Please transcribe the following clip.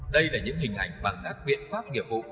đây là những hình ảnh bằng các biện pháp nghiệp vụ